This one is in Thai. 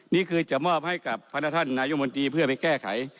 นี่คือจะมอบให้กับพระท่านนายกมนตรีเพื่อไปแก้ไข